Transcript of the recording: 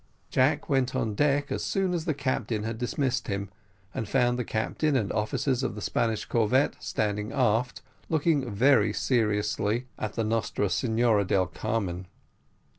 Jack went on deck as soon as the captain had dismissed him, and found the captain and officers of the Spanish corvette standing aft, looking very seriously at the Nostra Senora del Carmen.